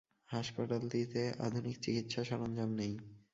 হাসপাতালটিতে আধুনিক চিকিৎসা সরঞ্জাম নেই।